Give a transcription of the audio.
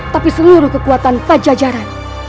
tapi seluruh kekuatan pajajaran